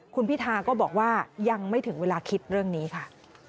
คุณพิธาก็บอกว่ายังไม่ถึงเวลาคิดเรื่องนี้ค่ะ